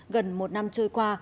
gần một năm trôi qua